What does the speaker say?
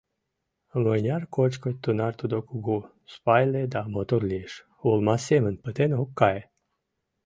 Мыняр кочкыт, тунар тудо кугу, спайле да мотор лиеш: олма семын пытен ок кае.